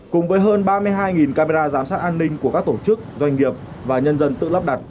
cùng với hơn ba mươi hai camera giám sát an ninh của các tổ chức doanh nghiệp và nhân dân tự lắp đặt